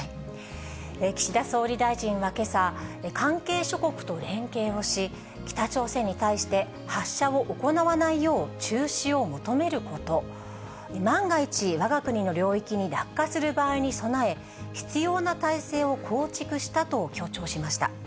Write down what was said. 岸田総理大臣はけさ、関係諸国と連携をし、北朝鮮に対して、発射を行わないよう、中止を求めること、万が一、わが国の領域に落下する場合に備え、必要な体制を構築したと強調しました。